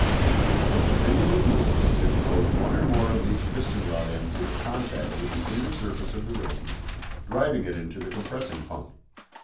As the pendulum moves it throws one or more of these piston rod ends into contact with the inner surface of the ring, driving it into the compressing pump.